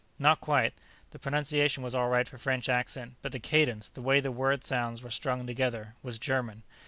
"Not quite. The pronunciation was all right for French accent, but the cadence, the way the word sounds were strung together, was German."